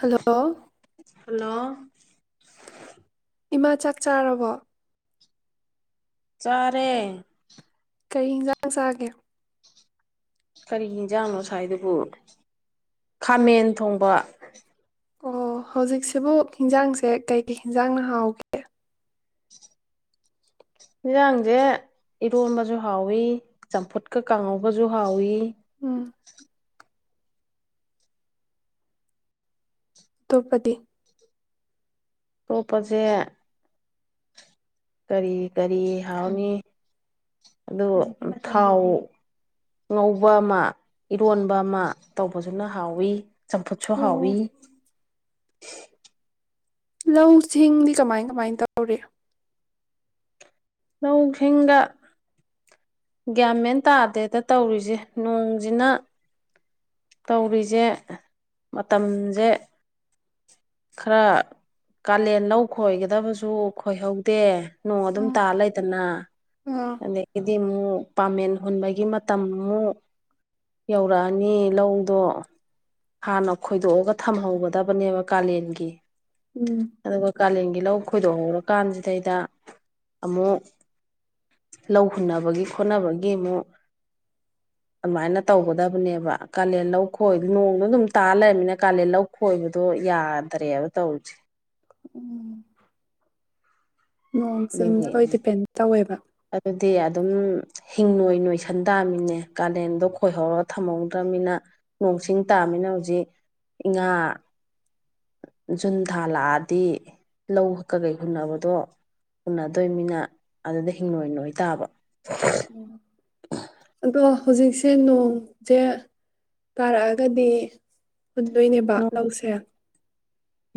Hello hello ꯏꯃꯥ ꯆꯥꯛ ꯆꯥꯔꯕꯣ ꯆꯔꯦ ꯀꯔꯤ ꯍꯤꯟꯖꯥꯡ ꯆꯥꯒꯦ ꯀꯔꯤ ꯍꯤꯟꯖꯥꯡꯅꯣ ꯉꯥꯁꯥꯏꯗꯨꯕꯨ ꯈꯥꯃꯦꯟ ꯊꯣꯡꯕ꯫ ꯑꯣ ꯍꯧꯖꯤꯛꯁꯤ ꯁꯤꯕꯨ ꯍꯤꯟꯖꯥꯡꯁꯦ ꯀꯩ ꯏꯟꯖꯥꯡ ꯅ ꯍꯥꯎꯒꯦ ꯌꯦꯟꯖꯥꯡꯁꯦ ꯏꯔꯣꯟꯕꯁꯨ ꯍꯥꯎꯋꯤ ꯆꯝꯐꯨꯠꯀ ꯀꯥꯡꯍꯧꯒꯁꯨ ꯍꯥꯎꯋꯤ ꯎꯝ ꯇꯣꯞꯄꯗꯤ ꯇꯣꯞꯄꯁꯦ ꯀꯔꯤ ꯀꯔꯤ ꯍꯥꯎꯅꯤ ꯑꯗꯨ ꯊꯥꯎ ꯉꯧꯕ ꯑꯃ ꯏꯔꯣꯟꯕ ꯑꯃ ꯇꯧꯕꯁꯨꯅ ꯍꯥꯎꯋꯤ ꯆꯝꯐꯨꯠꯁꯨ ꯑꯣ ꯍꯥꯎꯏꯤ ꯂꯧ ꯁꯤꯡꯗꯤ ꯀꯃꯥꯏ ꯀꯃꯥꯏ ꯇꯧꯔꯤ ꯂꯧꯁꯤꯡꯒ ꯒ꯭ꯌꯥꯃꯦꯟ ꯇꯥꯗꯦꯗ ꯇꯧꯔꯤꯁꯦ ꯅꯣꯡꯁꯤꯅ ꯇꯧꯔꯤꯁꯦ ꯃꯇꯝꯁꯦ ꯈꯔ ꯀꯥꯂꯦꯟ ꯂꯧ ꯈꯣꯏꯒꯗꯕꯁꯨ ꯈꯣꯏꯍꯧꯗꯦ ꯅꯣꯡ ꯑꯗꯨꯝ ꯎꯝ ꯇꯥ ꯂꯩꯗꯅ ꯑꯥ ꯑꯗ [inaudible] ꯗꯤ ꯑꯃꯨꯛ ꯄꯥꯃꯦꯟ ꯍꯨꯟꯕꯒꯤ ꯃꯇꯝ ꯑꯃꯨꯛ ꯌꯧꯔꯛꯑꯅꯤ ꯂꯧꯗꯣ ꯍꯥꯟꯅ ꯈꯣꯏꯗꯣꯛꯑꯒ ꯊꯝꯍꯧꯒꯗꯕꯅꯦꯕ ꯀꯥꯂꯦꯟꯒꯤ ꯎꯝ ꯑꯗꯨꯒ ꯀꯥꯂꯦꯟꯒꯤ ꯂꯧ ꯈꯣꯏꯗꯣꯛ ꯍꯧꯔꯀꯥꯟꯁꯤꯗꯩꯗ ꯑꯃꯨꯛ ꯂꯧ ꯍꯨꯟꯅꯕꯒꯤ ꯈꯣꯠꯅꯕꯒꯤ ꯑꯃꯨꯛ ꯑꯗꯨꯃꯥꯏꯅ ꯇꯧꯒꯗꯕꯅꯦꯕ ꯀꯥꯂꯦꯟ ꯂꯧ ꯈꯣꯏ ꯅꯣꯡꯗꯣ ꯑꯗꯨꯝ ꯇꯥ ꯂꯩꯔꯝꯅꯤꯅ ꯀꯥꯂꯦꯟ ꯂꯧ ꯈꯣꯏꯕꯗꯣ ꯌꯥꯗ꯭ꯔꯦꯕ ꯇꯧꯔꯤꯁꯦ ꯎꯝ ꯅꯣꯡ ꯆꯤꯡꯗ ꯑꯗꯨꯒꯤ ꯂꯣꯏ ꯗꯤꯄꯦꯟ ꯇꯧꯋꯦꯕ ꯑꯗꯨꯗꯤ ꯑꯗꯨꯝ ꯍꯤꯡꯉꯣꯏ ꯅꯣꯏꯁꯟ ꯇꯥꯝꯆꯤꯅꯦ ꯀꯥꯂꯦꯟꯗꯣ ꯈꯣꯏꯍꯧꯔ ꯊꯝꯍꯧꯗ꯭ꯔꯅꯤꯅ ꯅꯣꯡꯁꯤꯡ ꯇꯥꯃꯤꯅ ꯍꯧꯖꯤꯛꯥ ꯏꯉꯥ ꯖꯨꯟ ꯊꯥ ꯂꯥꯛꯑꯗꯤ ꯂꯧ ꯀꯀꯩ ꯍꯨꯟꯅꯕꯗꯣ ꯍꯨꯟꯟꯅꯗꯣꯏꯅꯤꯅ ꯑꯗꯨꯗꯒꯩ ꯍꯤꯡꯉꯣꯏ ꯅꯣꯏ ꯇꯥꯕ ꯑꯗꯣ ꯍꯧꯖꯤꯛꯁꯦ ꯅꯣꯡꯁꯦ ꯇꯥꯔꯛꯑꯒꯗꯤ ꯍꯨꯟꯗꯣꯏꯅꯦꯕ ꯂꯧꯁꯦ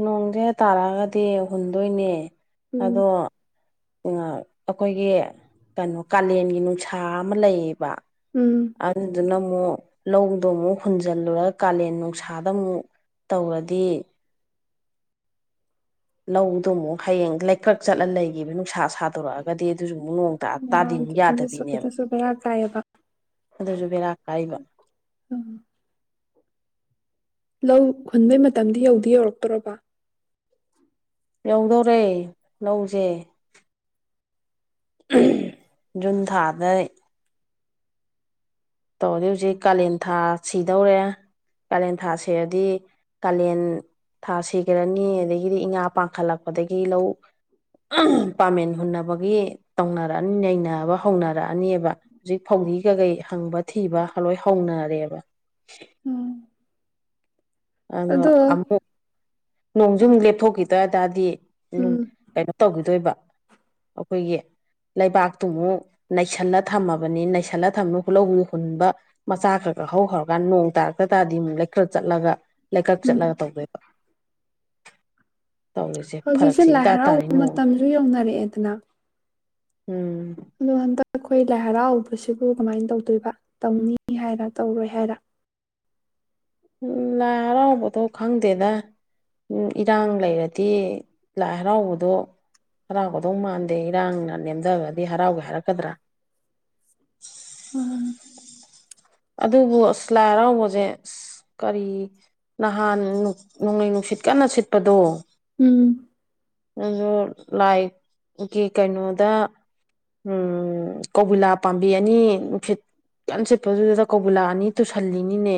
ꯅꯣꯡꯁꯦ ꯇꯥꯔꯛꯑꯒꯗꯤ ꯍꯨꯟꯗꯣꯏꯅꯦ ꯎꯝ ꯑꯗꯣ ꯑꯩꯈꯣꯏꯒꯤ ꯀꯩꯅꯣ ꯀꯥꯂꯦꯟꯒꯤ ꯅꯨꯡꯁꯥ ꯑꯃ ꯂꯩꯌꯦꯕ ꯑ ꯑꯗꯨꯗꯨꯅ ꯑꯃꯨꯛ ꯂꯧꯗꯣ ꯑꯃꯨꯛ ꯍꯨꯟꯖꯤꯜꯂꯨꯔꯒ ꯀꯥꯂꯦꯟ ꯅꯨꯡꯁꯥꯗ ꯑꯃꯨꯛ ꯇꯧꯔꯗꯤ ꯂꯧꯗꯨ ꯑꯃꯨꯛ ꯍꯌꯦꯡ ꯂꯩꯀ꯭ꯔꯛ ꯆꯠꯂ ꯂꯩꯈꯤꯕ ꯅꯨꯡꯁꯥ ꯁꯥꯗꯣꯔꯛ ꯑꯒꯗꯤ ꯑꯗꯨꯁꯨ ꯑꯃꯨꯛ ꯅꯣꯡ ꯇ ꯇꯥꯗꯤ ꯎꯝ ꯃꯨꯛ ꯑꯗꯨꯁꯨ ꯌꯥꯗꯕꯤꯅꯦꯕ ꯑꯗꯨꯁꯨ ꯕꯦꯔꯥ ꯀꯥꯏꯌꯦꯕ ꯑꯗꯨꯁꯨ ꯕꯦꯔꯥ ꯀꯥꯏꯕ ꯂꯧ ꯍꯨꯟꯕꯩ ꯃꯇꯝꯗꯤ ꯌꯧꯗꯤ ꯌꯧꯔꯛꯇꯧꯔꯕꯣ ꯌꯧꯗꯧꯔꯦ ꯂꯧꯁꯦ ꯖꯨꯟ ꯊꯥꯗꯩ ꯇꯧꯔꯗꯤ ꯍꯧꯖꯤꯛ ꯀꯥꯂꯦꯟ ꯊꯥ ꯁꯤꯗꯧꯔꯦ ꯀꯥꯂꯦꯟ ꯊꯥ ꯁꯤꯔꯗꯤ ꯀꯥꯂꯦꯟ ꯊꯥ ꯁꯤꯈꯔꯅꯤ ꯑꯗꯒꯤꯗꯤ ꯏꯉꯥ ꯄꯥꯡꯈꯠꯂꯛꯄꯗꯒꯤ ꯂꯧ ꯄꯥꯃꯦꯟ ꯍꯨꯟꯅꯕꯒꯤ ꯇꯧꯅꯔꯛꯑꯅꯤ ꯅꯩꯅꯕ ꯍꯧꯅꯔꯛꯑꯅꯤꯕ ꯍꯧꯖꯤꯛ ꯐꯧꯗꯤ ꯀꯀꯩ ꯍꯪꯕ ꯊꯤꯕ ꯂꯣꯏ ꯍꯧꯅꯔꯦꯕ ꯑꯗꯣ ꯑꯃꯨꯛ ꯅꯣꯡ ꯁꯨꯝ ꯑꯥ ꯂꯦꯞꯊꯣꯛꯈꯤ [inaudible] ꯗꯤ ꯎꯝ ꯀꯩꯩꯅꯣ ꯇꯧꯈꯤꯗꯣꯏꯕ ꯑꯩꯈꯣꯏꯒꯤ ꯂꯩꯕꯥꯛꯇꯨꯃꯨꯛ ꯅꯩꯁꯜꯂ ꯊꯝꯃꯕꯅꯤ ꯅꯩꯁꯜꯂ ꯊꯝꯃ ꯍꯨꯂꯧ ꯍꯨꯟꯕ ꯃꯆꯥ ꯈꯔ ꯈꯔ ꯍꯧꯈꯔꯀꯥꯟꯗ ꯅꯣꯡ ꯇꯥꯔꯛꯇ ꯇꯥꯔꯗꯤ ꯑꯃꯨꯛ ꯂꯩꯀ꯭ꯔꯛ ꯆꯠꯂꯒ ꯂꯩꯀꯛ ꯎꯝ ꯆꯠꯂꯒ ꯇꯧꯗꯩꯕ ꯍꯧꯖꯤꯛꯁꯦ ꯐꯔꯛꯁꯦ ꯂꯥꯏ ꯏꯇꯥ ꯇꯥꯔꯤ ꯍꯔꯥꯎꯕ ꯅꯣꯡꯁꯦ ꯃꯇꯝꯁꯨ ꯌꯧꯅꯔꯛꯑꯦꯗꯅ ꯎꯝ ꯑꯗꯣ ꯍꯟꯗꯛ ꯑꯩꯈꯣꯏ ꯂꯥꯏ ꯍꯔꯥꯎꯕꯁꯤꯕꯨ ꯀꯃꯥꯏꯟ ꯇꯧꯗꯣꯏꯕ ꯇꯧꯅꯤ ꯍꯥꯏꯔ ꯇꯧꯔꯣꯏ ꯍꯥꯏꯔ ꯎꯝ ꯂꯥꯏ ꯍꯔꯥꯎꯕꯗꯣ ꯈꯪꯗꯦꯗ ꯏꯔꯥꯡ ꯂꯩꯔꯗꯤ ꯂꯥꯏ ꯍꯔꯥꯎꯕꯗꯣ ꯍꯔꯥꯎꯒꯗꯧ ꯃꯥꯟꯗꯦ ꯏꯔꯥꯡꯅ ꯅꯦꯝꯗꯒ꯭ꯔꯗꯤ ꯍꯔꯥꯎꯒꯦ ꯍꯥꯏꯔꯛꯀꯗ꯭ꯔꯥ ꯑꯗꯨꯕꯨ ꯑꯁ ꯂꯥꯏ ꯍꯔꯥꯎꯕꯁꯦ ꯑꯁ ꯀꯔꯤ ꯅꯍꯥꯟ ꯅꯣꯡꯂꯩ ꯅꯨꯡꯁꯤꯠ ꯀꯟꯅ ꯁꯤꯠꯄꯗꯣ ꯎꯝ ꯑꯗꯣ ꯂꯥꯏꯒꯤ ꯀꯩꯅꯣꯗ ꯎꯝ ꯀꯧꯕꯨꯂꯥ ꯄꯥꯝꯕꯤ ꯑꯅꯤ ꯅꯨꯡꯁꯤꯠ ꯀꯟ ꯁꯤꯠꯄꯗꯨꯗ ꯀꯧꯕꯨꯂꯥ ꯑꯅꯤ ꯇꯨꯁꯜꯂꯤꯅꯤꯅꯦ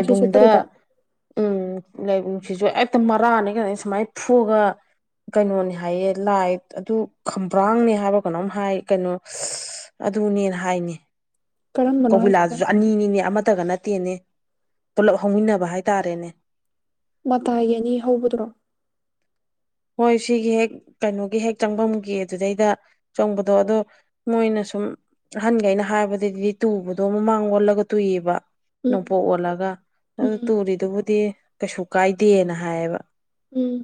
ꯎꯆꯦ ꯆꯠꯄꯗꯨꯗ ꯎꯝ ꯂꯥꯏꯕꯨꯡꯁꯤꯁꯨ ꯍꯦꯛꯇ ꯃꯔꯥꯅꯤ ꯀꯩꯅꯣ ꯁꯨꯃꯥꯏꯅ ꯐꯨꯛꯑꯒ ꯀꯩꯅꯣꯅꯤ ꯍꯥꯏꯌꯦ ꯂꯥꯏꯠ ꯑꯗꯨ ꯈꯝꯕ꯭ꯔꯥꯡꯅꯦ ꯍꯥꯏꯕ꯭ꯔ ꯀꯅꯣꯝ ꯍꯥꯏ ꯀꯩꯅꯣ ꯑꯗꯨꯅꯦꯅ ꯍꯥꯏꯅꯦ ꯀꯔꯝꯕꯅꯣ ꯍꯥꯏꯁꯦ ꯀꯧꯕꯨꯂꯥꯗꯨꯁꯨ ꯑꯅꯤꯅꯤꯅꯦ ꯑꯃꯇꯒ ꯅꯠꯇ ꯅꯠꯇꯦꯅꯦ ꯄꯨꯂꯞ ꯍꯧꯃꯤꯟꯅꯕ ꯍꯥꯏꯇꯥꯔꯦꯅꯦ ꯃꯇꯥꯏꯒꯤ ꯑꯅꯤ ꯍꯧꯕꯗꯨꯔꯣ ꯍꯣꯏ ꯁꯤꯒꯤ ꯍꯦꯛ ꯀꯩꯅꯣꯒꯤ ꯍꯦꯛ ꯆꯪꯕꯝꯒꯤ ꯑꯗꯨꯗꯩꯗ ꯆꯪꯕꯗꯣ ꯑꯗꯣ ꯃꯣꯏꯅ ꯁꯨꯝ ꯑꯍꯟꯒꯩꯅ ꯍꯥꯏꯕꯗꯗꯤ ꯇꯨꯕꯗꯣ ꯃꯃꯥꯡ ꯑꯣꯜꯂꯒ ꯇꯨꯏꯌꯦꯕ ꯎꯝ ꯅꯣꯡꯄꯣꯛ ꯑꯣꯜꯂꯒ ꯑꯗꯨ ꯎꯝ ꯇꯨꯔꯤꯗꯨꯕꯨꯗꯤ ꯀꯩꯁꯨ ꯀꯥꯏꯗꯦꯅ ꯍꯥꯏꯌꯦꯕ ꯎꯝ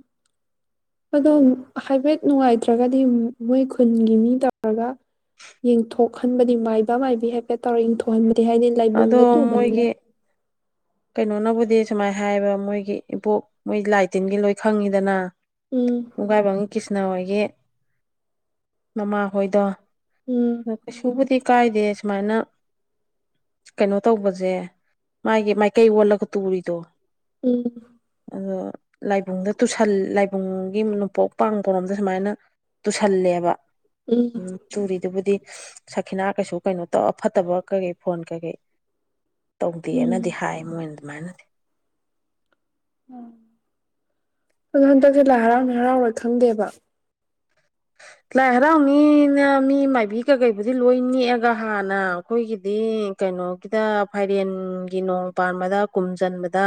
ꯑꯗꯣ ꯃꯨꯛ ꯍꯥꯏꯐꯦꯠ ꯅꯨꯡꯉꯥꯏꯇ꯭ꯔꯒꯗꯤ ꯃꯨ ꯃꯣꯏ ꯈꯨꯟꯒꯤ ꯃꯤ ꯇꯧꯔꯒ ꯌꯦꯡꯊꯣꯛꯍꯟꯕꯗꯤ ꯃꯥꯏꯕ ꯃꯥꯏꯕꯤ ꯍꯥꯏꯐꯦꯠ ꯇꯧꯔꯒ ꯌꯦꯡꯊꯣꯛꯍꯟꯕ ꯗꯤ ꯍꯥꯏꯗꯤ ꯑꯗꯣ ꯂꯥꯏꯕꯨꯡꯗ ꯇꯨꯕꯅꯤꯅ ꯃꯣꯏꯒꯤ ꯀꯩꯅꯣꯅꯕꯨꯗꯤ ꯁꯨꯃꯥꯏ ꯍꯥꯏꯕꯌꯦꯕ ꯃꯣꯏꯒꯤ ꯏꯕꯣꯛ ꯃꯣꯏ ꯂꯥꯏ ꯇꯤꯟꯒꯤ ꯂꯣꯏ ꯈꯪꯉꯤꯗꯅ ꯎꯝ ꯑꯟꯏꯟꯇꯦꯜꯂꯤꯖꯤꯕꯜ ꯀ꯭ꯔꯤꯁꯅ ꯍꯣꯏꯒꯤ ꯃꯃꯥꯍꯣꯏꯗꯣ ꯎꯝ ꯑ ꯀꯩꯁꯨꯕꯨꯗꯤ ꯀꯥꯏꯗꯦ ꯁꯨꯃꯥꯏꯅ ꯀꯩꯅꯣ ꯇꯧꯕꯖꯦ ꯃꯥꯒꯤ ꯀꯩ ꯑꯣꯜꯂꯒ ꯇꯨꯔꯤꯗꯣ ꯎꯝ ꯑꯗꯣ ꯂꯥꯏꯕꯨꯡꯗ ꯇꯨꯁꯜ ꯂꯥꯏꯕꯨꯡꯒꯤ ꯅꯣꯡꯄꯣꯛ ꯄꯥꯡꯕꯔꯣꯝꯗ ꯁꯨꯃꯥꯏꯅ ꯇꯨꯁꯜꯂꯦꯕ ꯎꯝ ꯇꯨꯔꯤꯗꯨꯕꯨꯗꯤ ꯈꯤꯅꯥ ꯀꯩꯁꯨ ꯀꯩꯅꯣ ꯇꯧ ꯑ ꯐꯠꯇꯕ ꯀꯩꯀꯩ ꯐꯣꯟ ꯀꯩꯀꯩ ꯎꯝ ꯇꯧꯗꯦꯅꯗꯤ ꯍꯥꯏ ꯍ ꯑꯗꯨꯃꯥꯏꯅꯗꯤ ꯎꯝ ꯑꯗꯣ ꯍꯟꯗꯛꯁꯦ ꯂꯥꯏ ꯍꯔꯥꯎꯅꯤ ꯍꯔꯥꯎꯔꯣꯏ ꯈꯪꯗꯦꯕ ꯂꯥꯏ ꯍꯔꯥꯎꯅꯤꯅ ꯃꯤ ꯃꯥꯏꯕꯤ ꯀꯀꯩꯕꯨꯗꯤ ꯂꯣꯏ ꯅꯦꯛꯑꯒ ꯍꯥꯟꯅ ꯑꯩꯈꯣꯏꯒꯤꯗꯤ ꯀꯩꯅꯣꯒꯤꯗ ꯐꯥꯏꯔꯦꯟꯒꯤ ꯅꯣꯡ ꯄꯥꯟꯕꯗ ꯀꯨꯝ ꯆꯟꯕꯗ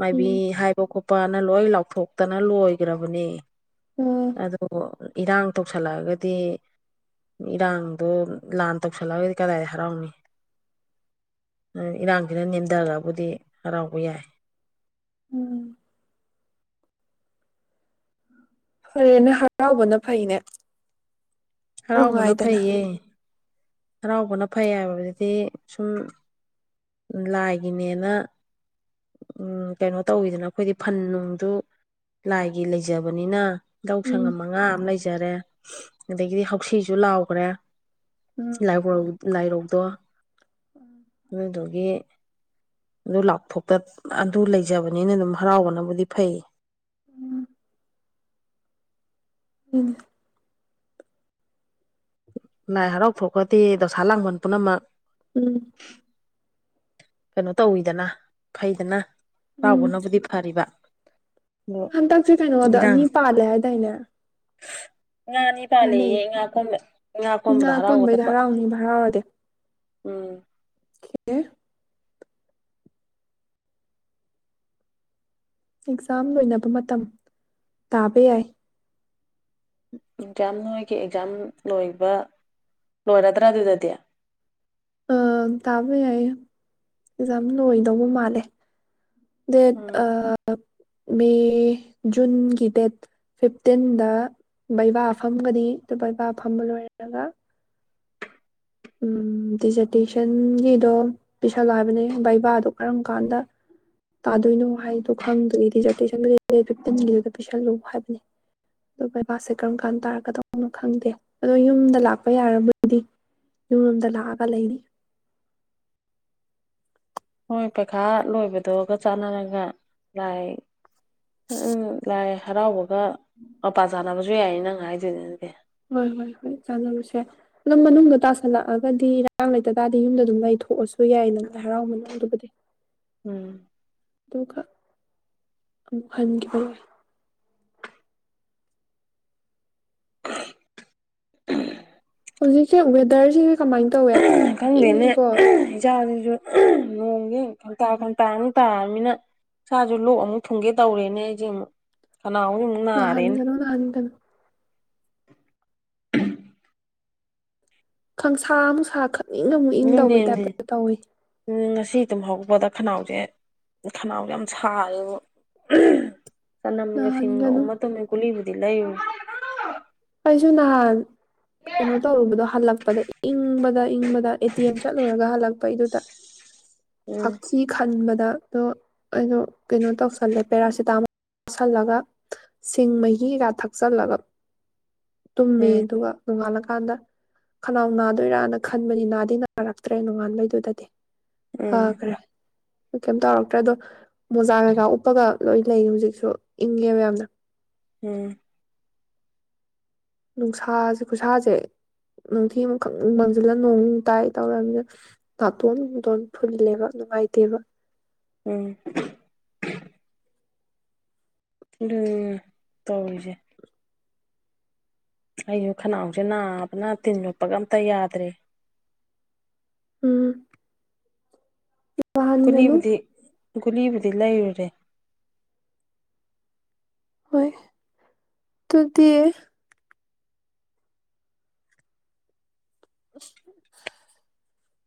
ꯃꯥꯏꯕꯤ ꯎꯝ ꯍꯥꯏꯕ ꯈꯣ ꯄꯥꯅ ꯂꯣꯏ ꯂꯥꯎꯊꯣꯛꯇꯅ ꯂꯣꯏꯒ꯭ꯔꯕꯅꯦ ꯎꯝ ꯑꯗꯣ ꯏꯔꯥꯡ ꯇꯧꯁꯜꯂꯛꯑꯒꯗꯤ ꯏꯔꯥꯡꯗꯣ ꯂꯥꯟ ꯇꯧꯁꯜꯂꯛꯑꯒꯗꯤ ꯀꯗꯥꯏꯗ ꯍꯔꯥꯎꯅꯤ ꯏꯔꯥꯡꯁꯤꯅ ꯅꯦꯝꯗꯒ꯭ꯔꯕꯨꯗꯤ ꯍꯔꯥꯎꯕ ꯌꯥꯏ ꯎꯝ ꯐꯔꯦꯅ ꯍꯔꯥꯎꯕꯅ ꯐꯩꯅꯦ ꯍꯔꯥꯎꯕꯅ ꯅꯨꯡꯉꯥꯏꯗꯅ ꯐꯩꯌꯦ ꯍꯔꯥꯎꯕꯅ ꯐꯩ ꯍꯥꯏꯕꯗꯨꯗꯤ ꯁꯨꯝ ꯂꯥꯏꯒꯤꯅꯦꯅ ꯀꯩꯅꯣ ꯇꯧꯋꯤꯗꯅ ꯑꯩꯈꯣꯏꯗꯤ ꯐꯟ ꯅꯨꯡꯁꯨ ꯂꯥꯏꯒꯤ ꯂꯩꯖꯕꯅꯤꯅ ꯌꯥꯎ ꯎꯝ ꯁꯪꯉꯝ ꯃꯉꯥ ꯑꯃ ꯂꯩꯁꯦ ꯐꯖꯔꯦ ꯑꯗꯒꯤꯗꯤ ꯍꯁꯤꯁꯨ ꯂꯥꯎꯈ꯭ꯔꯦ ꯁꯤ ꯎꯝ ꯂ ꯂꯥꯏꯔꯧꯗꯣ ꯑꯗꯨ ꯑꯗꯨ ꯑꯗꯒꯤ ꯑꯗꯨ ꯂꯥꯎꯊꯣꯛꯇ ꯑꯗꯨ ꯂꯩꯖꯕꯅꯤꯅ ꯑꯗꯨꯝ ꯍꯔꯥꯎꯕꯅꯕꯨꯗꯤ ꯐꯩ ꯎꯝ ꯎꯅꯤ ꯂꯥꯏ ꯍꯔꯥꯎ ꯊꯣꯛꯣꯛꯈꯗꯤ ꯗꯧꯁꯥ ꯂꯥꯡꯕꯟ ꯄꯨꯝꯅꯃꯛ ꯎꯝ ꯀꯩꯅꯣ ꯇꯧꯋꯤꯗꯅ ꯐꯩꯗꯅ ꯎꯝ ꯀꯥꯎꯕꯅꯕꯨꯗꯤ ꯐꯔꯤꯕ ꯑꯗꯣ ꯍꯟꯗꯛꯁꯦ ꯀꯩꯅꯣꯒꯗ ꯏꯔꯥꯡ ꯑꯅꯤ ꯄꯥꯜꯂꯦ ꯍꯥꯏꯗꯥꯏꯅꯦ ꯉꯥꯅꯤ ꯍꯥꯏꯅꯩ ꯄꯥꯅꯩꯌꯦ ꯉꯥꯣꯝꯕ ꯉꯥ ꯏꯉꯥ ꯈꯣꯝꯕꯗ ꯑꯀꯣꯟꯕꯩꯗ ꯍꯔꯥꯎꯕꯗꯄ ꯍꯔꯥꯎꯅꯤꯕ ꯎꯝ ꯈꯦꯔ ꯑꯦꯛꯖꯥꯝ ꯂꯣꯏꯅꯕ ꯃꯇꯝ ꯇꯥꯕ ꯌꯥꯏ ꯑꯦꯛꯖꯥꯝ ꯅꯣꯏꯒꯤ ꯑꯦꯛꯖꯥꯝ ꯂꯣꯏꯕ ꯂꯣꯏꯔꯗ꯭ꯔꯥ ꯑꯗꯨꯗꯗꯤ ꯑ ꯇꯥꯕ ꯌꯥꯏ ꯑꯦꯛꯖꯥꯝ ꯂꯣꯏꯗꯧꯕ ꯃꯥꯜꯂꯦ ꯗ ꯎꯝ ꯑ ꯃꯦ ꯖꯨꯟꯒꯤ ꯗꯦꯠ ꯐꯤꯐꯇꯤꯟꯗ ꯕꯩꯕꯥ ꯐꯝꯒꯅꯤ ꯑꯗꯨ ꯕꯩꯕꯥ ꯐꯝꯕ ꯂꯣꯏꯔꯒ ꯎꯝ ꯗꯤꯖꯔꯇꯦꯁꯟꯒꯤꯗꯣ ꯄꯤꯁꯜꯂ ꯍꯥꯏꯕꯅꯦ ꯕꯩꯕꯥꯗꯣ ꯀꯔꯝ ꯀꯥꯟꯗ ꯇꯥꯗꯣꯏꯅꯣ ꯍꯥꯏꯗꯣ ꯈꯪꯗꯣꯏꯦ ꯗꯤꯖꯔ ꯐꯤꯇꯤꯟꯗꯨ ꯄꯤꯁꯜꯂꯨ ꯍꯥꯏꯕꯅꯦ ꯑꯣꯕꯥꯁꯦ ꯀꯔꯝ ꯀꯥꯟ ꯇꯥꯔꯒꯗꯧꯅꯣ ꯈꯪꯗꯦ ꯑꯗꯣ ꯌꯨꯝꯗ ꯂꯥꯛꯄ ꯌꯥꯔꯕꯗꯤ ꯌꯨꯝꯂꯣꯝꯗ ꯂꯥꯛꯑꯒ ꯂꯩꯔꯤ ꯍꯣꯏ ꯄꯩꯈꯥ ꯂꯣꯏꯕꯗꯒ ꯆꯥꯟꯅꯔꯒ ꯂꯥꯏ ꯂꯥꯏ ꯍꯔꯥꯎꯕꯒ ꯃꯄꯥ ꯆꯥꯟꯅꯕꯁꯨ ꯌꯥꯏ ꯅꯪ ꯍꯥꯏꯗꯣꯏꯗꯗꯤ ꯍꯣꯏ ꯍꯣꯏ ꯍꯣꯏ ꯆꯥꯅꯔꯨꯁꯦ ꯑꯗꯨꯝ ꯃꯅꯨꯡꯗ ꯇꯥꯁꯜꯂꯛꯑꯒꯗꯤ ꯉꯔꯥꯡ ꯂꯩꯇ ꯇꯥꯔꯗꯤ ꯌꯨꯝꯗ ꯑꯗꯨꯝ ꯂꯩꯊꯣꯛꯑꯁꯨ ꯌꯥꯏ ꯅꯪ ꯂꯥꯏ ꯍꯔꯥꯎ ꯃꯅꯨꯡꯗꯨꯕꯨꯗꯤ ꯎꯝ ꯑꯗꯨꯒ ꯑꯃꯨꯛ ꯍꯟꯈꯤꯕ ꯂꯣꯏ ꯍꯧꯖꯤꯛꯁꯦ ꯋꯦꯗꯔꯁꯤ ꯈꯪꯗꯦꯅꯦ ꯏꯆꯥꯁꯤꯁꯨ ꯅꯣꯡꯒꯤꯦ ꯈꯟꯇꯥ ꯈꯟꯇꯥꯨ ꯇꯥꯅꯤꯅ ꯁꯥꯥꯁꯨ ꯂꯣꯛ ꯑꯃꯨꯛ ꯊꯨꯡꯒꯦ ꯇꯧꯔꯦꯅꯦ ꯑꯩꯁꯦ ꯑꯃꯨꯛ ꯀꯅꯥꯎ ꯃꯨꯅꯔꯦꯅꯦ ꯅꯍꯥꯟꯒꯅꯣ ꯅꯍꯥꯟꯒꯅꯣ [inaudible] ꯈꯪꯁꯥ ꯑꯃ ꯁꯥ ꯏꯪꯅ ꯑꯃꯨꯛ ꯏꯪ ꯇꯧꯕꯩ ꯇꯥꯏꯞꯇꯗ ꯇꯧꯋꯤ ꯑꯁꯤ ꯇꯨꯝꯍꯧꯕꯗ ꯈꯅꯥꯎꯁꯦ ꯈꯅꯥꯎꯁꯦ ꯌꯥꯝ ꯁꯥꯔꯦꯕ ꯁ ꯅꯝꯒ ꯅꯍꯥꯟꯒ ꯁꯤꯁꯤꯡꯒ ꯑꯗꯨꯝ ꯃ ꯇꯣꯝꯃꯦ ꯀꯨꯂꯤ ꯂꯩꯥꯏ ꯑꯩꯁꯨ ꯅꯍꯥꯟ ꯀꯩꯅꯣ ꯇꯧꯔꯨꯕꯗꯣ ꯍꯜꯂꯛ ꯏꯪꯕꯗ ꯏꯪꯕ ꯑꯦ ꯇꯤ ꯑꯦꯝ ꯆꯠꯂꯨꯔꯒ ꯍꯜꯂꯛꯄ ꯩꯗꯨꯗ ꯎꯝ ꯍꯥꯞꯁꯤ ꯈꯟ ꯗꯗ ꯑꯗꯣ ꯑꯩꯗꯣ ꯀꯩꯅꯣ ꯇꯧꯁꯜꯂꯦ ꯄꯦꯔꯥꯁꯤꯇꯥꯃꯣꯜ ꯇꯁꯤꯜꯂꯒ ꯁꯤꯡ ꯃꯍꯤꯒ ꯊꯛꯆꯜꯂꯒ ꯇꯨꯝꯃꯦ ꯎꯝ ꯑꯗꯨꯒ ꯅꯣꯡꯉꯥꯜꯂꯀꯥꯟꯗ ꯈꯅꯥꯎ ꯅꯥꯗꯣꯏꯔꯥꯅ ꯈꯟꯕꯅꯤ ꯅꯥꯗꯤ ꯅꯥꯔꯛꯇ꯭ꯔꯦ ꯅꯣꯡꯉꯥꯟꯕꯩꯗꯨꯗꯗꯤ ꯎꯝ ꯐꯥꯒ꯭ꯔꯦ ꯀꯩꯝ ꯇꯧꯔꯛꯇ꯭ꯔꯦ ꯑꯗꯣ ꯃꯣꯖꯥꯒꯒ ꯎꯞꯒ ꯂꯣꯏ ꯂꯩ ꯍꯧꯖꯤꯛꯁꯨ ꯏꯪꯉꯦꯕ ꯌꯥꯝꯅ ꯎꯝ ꯅꯨꯡꯁꯥꯁꯦ ꯈꯨꯠꯁꯥꯁꯦ ꯅꯨꯡꯊꯤ ꯑꯃꯈꯛ ꯃꯪꯁꯤꯜꯂ ꯅꯣꯡ ꯇꯥꯏ ꯇꯧꯔꯅꯤꯅ ꯅꯥꯇꯣꯟ ꯅꯨꯡꯇꯣꯟ ꯐꯨꯜꯂꯦꯕ ꯅꯨꯡꯉꯥꯏꯇꯦꯕ ꯎꯝ ꯎꯝ ꯇꯧꯁꯦ ꯑꯩꯁꯨ ꯈꯅꯥꯎꯁꯦ ꯅꯥꯕꯅ ꯇꯤꯟ ꯌꯣꯠꯄꯒ ꯑꯝꯇ ꯌꯥꯗ꯭ꯔꯦ ꯎꯝ ꯋꯥꯍꯟ ꯃꯅꯨ ꯨꯂꯤꯕꯗꯂ ꯌꯔꯔꯦ ꯍꯣꯏ ꯇ ꯗ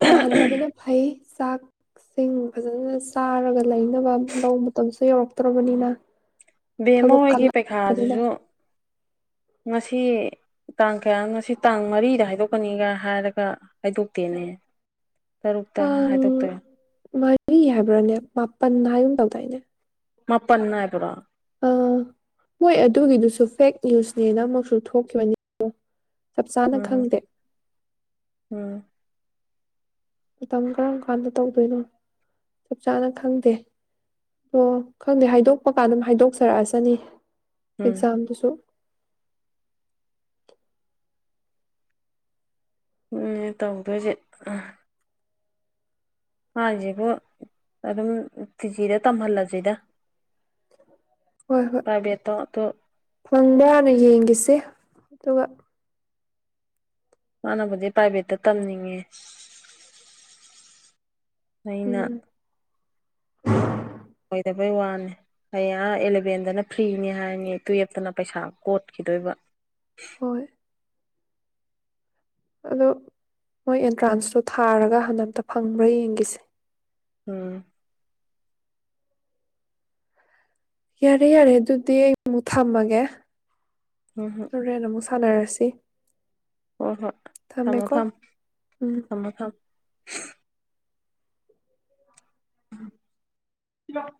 ꯅꯥꯍꯟꯗꯕꯅ ꯐꯩ ꯆꯥꯛꯁꯤꯡ ꯐꯖꯅ ꯆꯥꯔꯒ ꯂꯩꯅꯕ ꯂꯧ ꯃꯇꯝꯁꯨ ꯌꯧꯔꯛꯇ꯭ꯔꯔꯕꯅꯤꯅ ꯕꯦꯝꯃ ꯍꯣꯏꯒꯤ ꯄꯩꯈꯥꯗꯨꯁꯨ ꯉꯁꯤ ꯇꯥꯡ ꯀꯌꯥ ꯉꯁꯤ ꯇꯥꯡ ꯃꯔꯤꯗ ꯍꯥꯏꯗꯣꯛꯀꯅꯤꯒ ꯍꯥꯏꯔꯒ ꯍꯥꯏꯗꯣꯛꯇꯦꯅꯦ ꯇꯔꯨꯛꯇ ꯇꯥꯡ ꯍꯥꯏꯗꯣꯛꯇꯔꯣ ꯃꯔꯤ ꯍꯥꯏꯕ꯭ꯔꯥꯅꯦ ꯃꯥꯄꯟ ꯍꯥꯏꯨꯝ ꯇꯧꯗꯏꯅꯦ ꯃꯄꯥꯟꯅ ꯍꯥꯏꯈꯗꯥꯣ ꯍꯣꯏ ꯑꯗꯨꯒꯤꯗꯨꯁꯨ ꯐꯦꯛ ꯅ꯭ꯌꯨꯁꯅꯦꯅ ꯑꯃꯛꯁꯨ ꯊꯣꯛꯈꯤꯕꯅꯤ ꯆꯞ ꯆꯥꯅ ꯎꯝ ꯈꯪꯗꯦ ꯎꯝ ꯃꯇꯝ ꯀꯔꯝ ꯀꯥꯟꯗ ꯇꯧꯗꯣꯏꯅꯣ ꯆꯞ ꯆꯥꯅ ꯈꯪꯗꯦ ꯑꯗꯣ ꯈꯪꯗꯦ ꯍꯥꯏꯗꯣꯛꯄ ꯀꯥꯟ ꯑꯗꯨꯝ ꯍꯥꯏꯗꯣꯛꯆꯔꯛꯑꯁꯅꯤ ꯎꯝ ꯑꯦꯛꯖꯥꯝꯗꯁꯨ ꯎ ꯇꯧꯗꯣꯏꯁꯦ ꯍꯥꯟꯁꯤꯕꯣ ꯑꯗꯨꯝ ꯊꯤꯖꯤꯗ ꯇꯝꯍꯜꯂꯁꯤꯗ ꯇꯥꯕꯦꯠꯇꯣ ꯐꯪꯕ꯭ꯔꯥꯅ ꯌꯦꯡꯈꯤꯁꯦ ꯑꯗꯨꯒ ꯃꯥꯅꯕꯨꯗꯤ ꯄ꯭ꯔꯥꯏꯚꯦꯠꯇ ꯇꯝꯅꯤꯡꯉꯦ ꯑꯩꯅ ꯎꯝ [inaudible] ꯩ ꯋꯥꯅꯦ ꯑꯩ ꯑꯦꯂꯚꯦꯟꯗꯅ ꯐ꯭ꯔꯤꯅꯤ ꯍꯥꯏꯅꯤ ꯇꯨꯋꯦꯜꯞꯇꯅ ꯄꯩꯁꯥ ꯀꯣꯠꯈꯤꯗꯣꯏꯕ ꯍꯣꯏ ꯑꯗꯣ ꯃꯣꯏ ꯑꯦꯟꯇ꯭ꯔꯥꯟꯁꯇꯣ ꯊꯥꯔꯒ ꯍꯟꯗꯇ ꯐꯪꯕ꯭ꯔꯥ ꯌꯦꯡꯒꯤꯁꯦ ꯎꯝ ꯌꯥꯔꯦ ꯌꯥꯔꯦ ꯑꯗꯨꯗꯤ ꯑꯩ ꯑꯃꯨꯛ ꯊꯝꯃꯒꯦ ꯎꯝ ꯍꯔꯦ ꯅꯃꯁꯦ ꯁꯥꯅꯔꯁꯤ ꯍꯣꯏ ꯍꯣꯏ ꯊꯝꯃꯣ ꯊꯝ ꯎꯝ ꯊꯝꯃꯣ ꯊꯝ ꯎꯝ